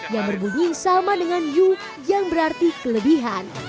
yang berbunyi sama dengan yu yang berarti kelebihan